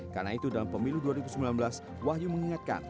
karena itu dalam pemilu dua ribu sembilan belas wahyu mengingatkan